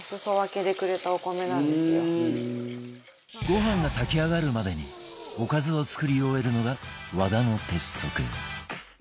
ご飯が炊き上がるまでにおかずを作り終えるのが和田の鉄則